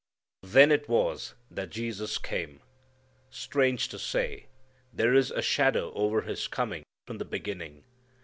Then it was that Jesus came. Strange to say, there is a shadow over His coming from the beginning.